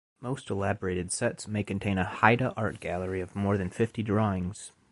Most elaborated sets may contain a Haida art gallery of more than fifty drawings.